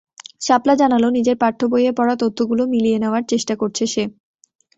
শাপলা জানাল, নিজের পাঠ্যবইয়ে পড়া তথ্যগুলো মিলিয়ে নেওয়ার চেষ্টা করেছে সে।